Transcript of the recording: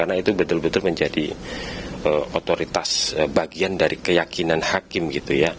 karena itu betul betul menjadi otoritas bagian dari keyakinan hakim gitu ya